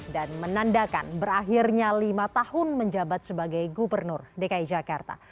dan menandakan berakhirnya lima tahun menjabat sebagai gubernur dki jakarta